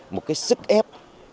một cái sức ép